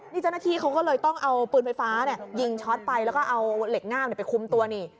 นี่เจ้าหน้าที่เขาก็เลยต้องเอาปืนไฟฟ้ายิงช็อตไปแล้วก็เอาเหล็กง่ามไปคุมตัวนี่